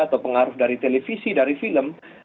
atau pengaruh dari televisi dari film